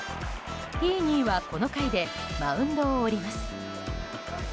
ヒーニーはこの回でマウンドを降ります。